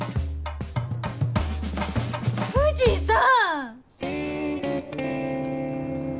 藤さん！